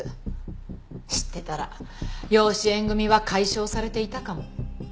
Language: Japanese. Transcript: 知ってたら養子縁組は解消されていたかも。